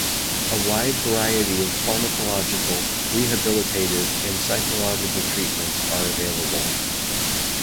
A wide variety of pharmacological, rehabilitative and psychological treatments are available.